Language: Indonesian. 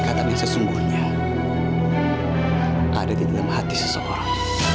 ikatan yang sesungguhnya ada di dalam hati seseorang